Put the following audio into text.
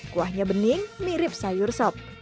kuahnya bening mirip sayur sop